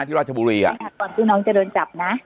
ราชบุรีอ่ะก่อนที่น้องจะโดนจับนะ